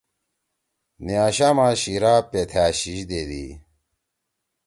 نیاشاما شیِرا پیتھأ شیِش دیدی۔